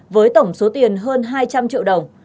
với tổng số tiền hơn hai trăm linh triệu đồng